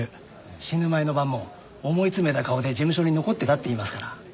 死ぬ前の晩も思い詰めた顔で事務所に残ってたって言いますから。